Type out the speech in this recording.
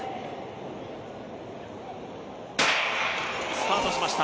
スタートしました。